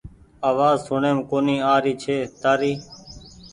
آواز سوڻيم ڪونيٚ آ رهي ڇي تآري